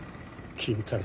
金太郎！